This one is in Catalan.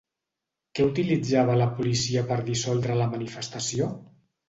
Què utilitzava la policia per dissoldre la manifestació?